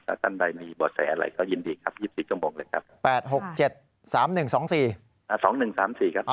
ศหน้าใดมีบัตรแสอะไรก็ยินดีครับ๒๐ชั่วโมงเลยครับ